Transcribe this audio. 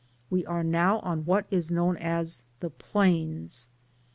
We are now on what is known as "The Plains."